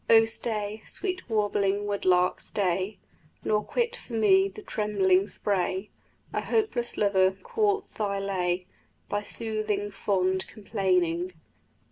O stay, sweet warbling wood lark, stay, Nor quit for me the trembling spray, A hopeless lover courts thy lay, Thy soothing, fond complaining.